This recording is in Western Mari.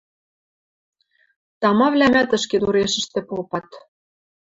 Тамавлӓмӓт ӹшкедурешӹштӹ попат.